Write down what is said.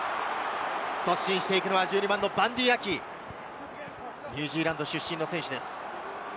突進していくのはバンディー・アキ、ニュージーランド出身の選手です。